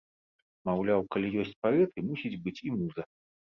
Маўляў, калі ёсць паэты, мусіць быць і муза.